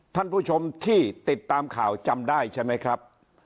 ท่านผู้ชมที่ติดตามข่าวจำได้ใช่ไหมครับ